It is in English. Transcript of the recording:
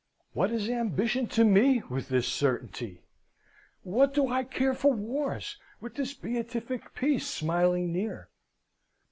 What is ambition to me, with this certainty? What do I care for wars, with this beatific peace smiling near?